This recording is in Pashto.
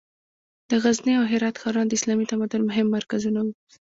د غزني او هرات ښارونه د اسلامي تمدن مهم مرکزونه وو.